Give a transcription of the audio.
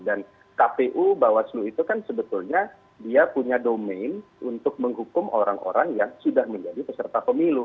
dan kpu bawaslu itu kan sebetulnya dia punya domain untuk menghukum orang orang yang sudah menjadi peserta pemilu